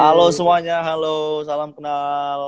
halo semuanya halo salam kenal